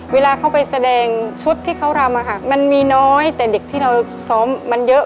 เวลาเขาไปแสดงชุดที่เขารำมันมีน้อยแต่เด็กที่เราซ้อมมันเยอะ